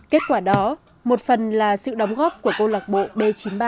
kết quả đó một phần là sự đóng góp của câu lạc bộ b chín mươi ba